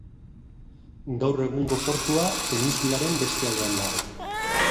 Gaur egungo portua penintsularen beste aldean dago.